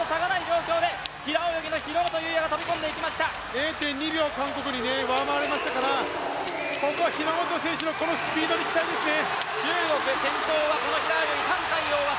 ０．２秒、韓国に上回れましたから、ここは日本選手のスピードに期待ですね。